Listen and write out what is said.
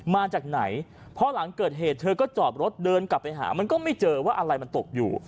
มาจากไหนพอหลังเกิดเหตุเธอก็จอดรถเดินกลับไปหามันก็ไม่เจอว่าอะไรมันตกอยู่